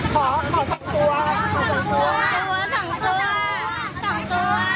ขอสองตัว